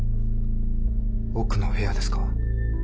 奥の部屋ですか？